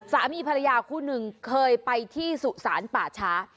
สามีภรรยาคู่หนึ่งเคยไปที่สุสานป่าช้า